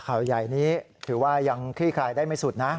ข่าวใหญ่นี้ถือว่ายังคลี่คลายได้ไม่สุดนะ